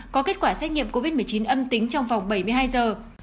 có kết quả xét nghiệm covid một mươi chín âm tính trong vòng bảy mươi hai giờ